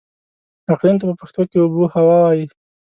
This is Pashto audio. اقليم ته په پښتو کې اوبههوا وايي.